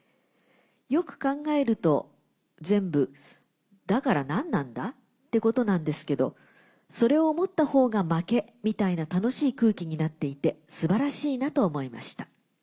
よく考えると全部『だから何なんだ？』ってことなんですけどそれを思った方が負けみたいな楽しい空気になっていて素晴らしいなと思いました。